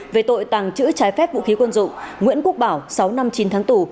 về tội tàng trữ trái phép vũ khí quân dụng nguyễn quốc bảo sáu năm chín tháng tù